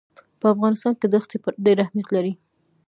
په افغانستان کې دښتې ډېر اهمیت لري.